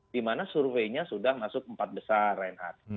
di mana surveinya sudah masuk empat besar reinhardt